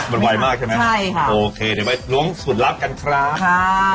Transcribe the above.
มันไวมากใช่ไหมโอเคเดี๋ยวไปล้วงสูตรลักษณ์กันครับใช่ค่ะ